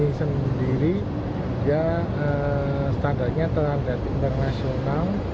ini sendiri dia standarnya terhadap internasional